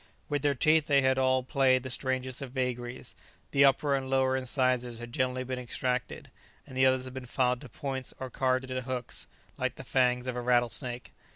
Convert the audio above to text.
With their teeth they had all played the strangest of vagaries; the upper and lower incisors had generally been extracted, and the others had been filed to points or carved into hooks, like the fangs of a rattle snake.